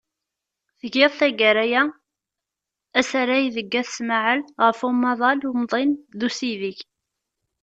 Tgiḍ, taggara-a, asarag deg Ayt Smaɛel ɣef umaḍal umḍin d usideg.